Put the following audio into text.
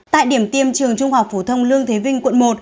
tại điểm tiêm trường trung học phổ thông lương thế vinh quận một